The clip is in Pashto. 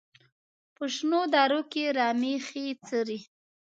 په شنو درو کې رمې ښې څري.